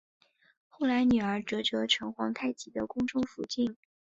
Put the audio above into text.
后来女儿哲哲成皇太极的中宫福晋。